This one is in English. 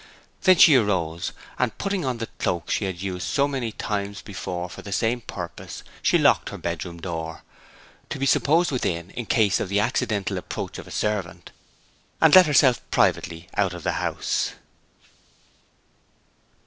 Then she arose, and putting on the cloak she had used so many times before for the same purpose, she locked her bedroom door (to be supposed within, in case of the accidental approach of a servant), and let herself privately out of the house.